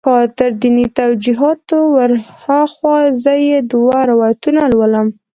تر دیني توجیهاتو ور هاخوا زه یې دوه روایتونه لولم.